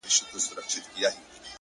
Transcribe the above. د خدای د حسن عکاسي د يتيم زړه کي اوسي’